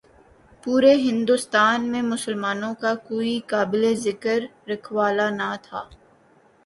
پورے ہندوستان میں مسلمانوں کا کوئی قابل ذکر رکھوالا نہ تھا۔